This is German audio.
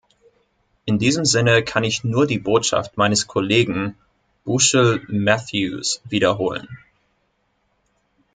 In diesem Sinne kann ich nur die Botschaft meines Kollegen Bushill-Matthews wiederholen.